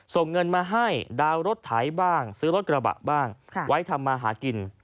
ส่งเงินมาให้ดาวน์รถไถบ้างซื้อรถกระบะบ้างไว้ทำมาหากิน